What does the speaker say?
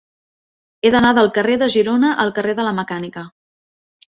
He d'anar del carrer de Girona al carrer de la Mecànica.